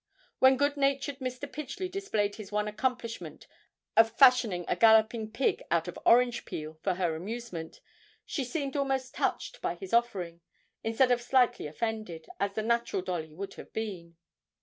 When good natured Mr. Pidgely displayed his one accomplishment of fashioning a galloping pig out of orange peel for her amusement, she seemed almost touched by his offering, instead of slightly offended, as the natural Dolly would have been.